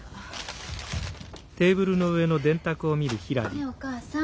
ねえお母さん。